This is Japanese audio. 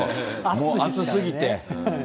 もう暑すぎて。